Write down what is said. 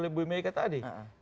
ibu mega tadi